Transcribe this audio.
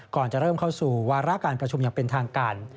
ก่อนจะเริ่มเข้าสู่วาระการประชุมอย่างเป็นทางการ